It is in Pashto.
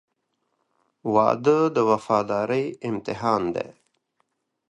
• واده د وفادارۍ امتحان دی.